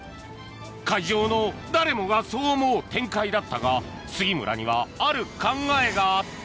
会場の誰もがそう思う展開だったが杉村には、ある考えがあった。